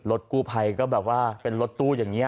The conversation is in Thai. รถกู้ภัยก็แบบว่าเป็นรถตู้อย่างนี้